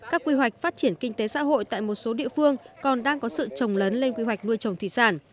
các quy hoạch phát triển kinh tế xã hội tại một số địa phương còn đang có sự trồng lớn lên quy hoạch nuôi trồng thủy sản